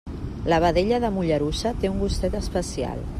La vedella de Mollerussa té un gustet especial.